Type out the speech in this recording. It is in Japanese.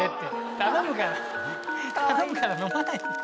頼むから飲まないで。